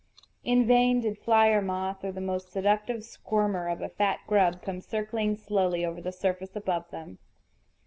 In vain did fly or moth, or the most seductive squirmer of a fat grub, come circling slowly over the surface above them.